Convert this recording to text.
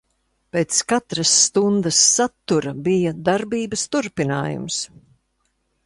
Pēc katras stundas satura bija darbības turpinājums.